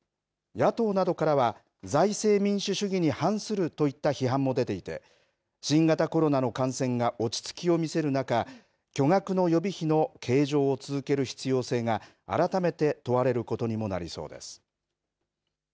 野党などからは財政民主主義に反するといった批判も出ていて新型コロナの感染が落ち着きを見せる中巨額の予備費の計上を続ける必要性が改めて問われることにもなりそうです。